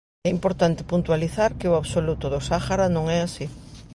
É importante puntualizar que o absoluto do Sáhara non é así.